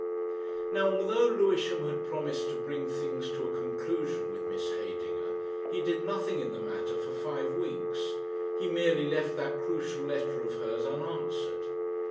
Now although Lewisham had promised to bring things to a conclusion with Miss Heydinger, he did nothing in the matter for five weeks, he merely left that crucial letter of hers unanswered.